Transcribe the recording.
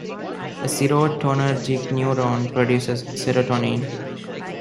A serotonergic neuron "produces" serotonin.